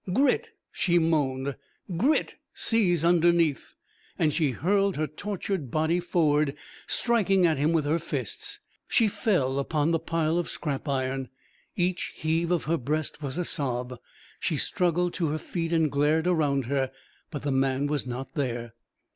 "Grit," she moaned, "Grit sees underneath." And she hurled her tortured body forward, striking at him with her fists. She fell upon the pile of scrap iron. Each heave of her breast was a sob. She struggled to her feet and glared around her. But the man was not there.